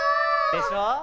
でしょ？